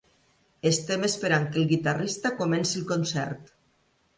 Estem esperant que el guitarrista comenci el concert.